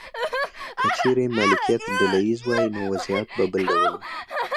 که چیرې مالکیت ډله ایز وای نو وضعیت به بل ډول و.